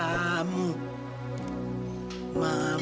mama belum meninggal